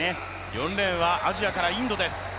４レーンはアジアからインドです。